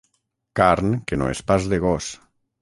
Carn que no és pas de gos.